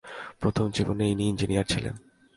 প্রথম জীবনে ইনি ইঞ্জিনীয়র ছিলেন।